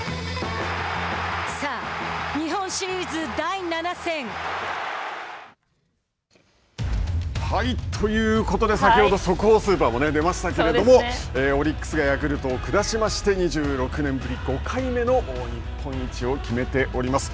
さあ、日本シリーズ第７戦！ということで先ほど速報スーパーでも出ましたけれどもオリックスがヤクルトを下しまして２６年ぶり５回目の日本一を決めております。